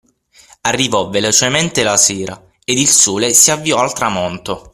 Arrivò velocemente la sera, ed il sole si avviò al tramonto.